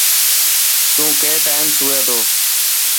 تون ڪي ٽائم سوئي تو.